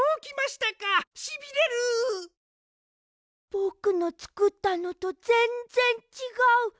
ぼくのつくったのとぜんぜんちがう。